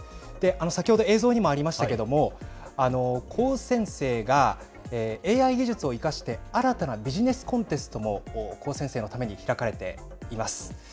先ほど映像にもありましたけども、高専生がＡＩ技術を生かして新たなビジネスコンテストも高専生のために開かれています。